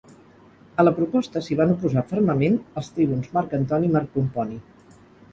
A la proposta s'hi van oposar fermament els tribuns Marc Antoni i Marc Pomponi.